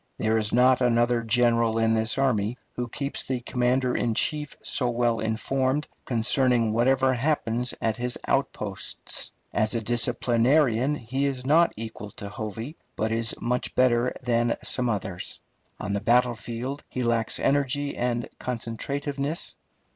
There is not another general in this army who keeps the commander in chief so well informed concerning whatever happens at his outposts. As a disciplinarian he is not equal to Hovey, but is much better than some others. On the battlefield he lacks energy and concentrativeness.